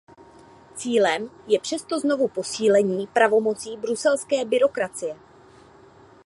Cílem je přesto znovu posílení pravomocí bruselské byrokracie.